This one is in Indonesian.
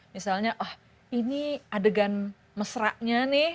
misalnya oh ini adegan mesranya nih